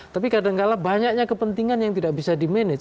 tapi kadangkala banyaknya kepentingan yang tidak bisa di manage